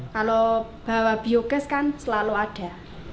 kalau bawa biogas kan selalu ada